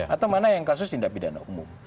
atau mana yang kasus tindak pidana umum